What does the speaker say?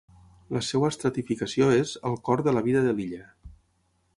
La seva estratificació és: "Al cor de la vida de l'illa".